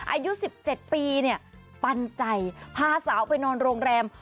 อายุ๑๗ปีเนี่ยปันใจพาสาวไปนอนโรงแรม